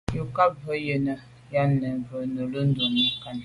Á cúp mbə̄ mbā gə̀ yɑ́nə́ à' yɑ́nə́ mɛ̀n gə̀ rə̌ nə̀ lódə́ mû' kání.